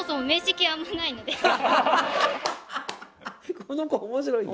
この子面白いな。